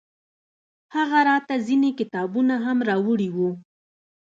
هغه راته ځينې کتابونه هم راوړي وو.